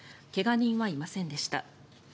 怪我人はいませんでした。